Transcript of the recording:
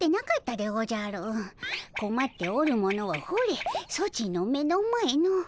こまっておる者はほれソチの目の前の。